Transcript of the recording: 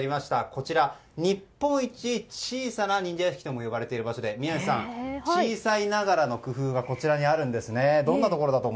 こちら日本一小さな忍者屋敷とも呼ばれていて小さいながらの工夫がこちらにあるんですね。